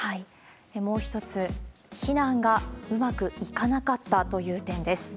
もう一つ、避難がうまくいかなかったという点です。